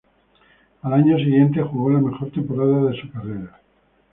Al año siguiente jugó la mejor temporada de su carrera.